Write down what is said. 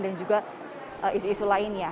dan juga isu isu lainnya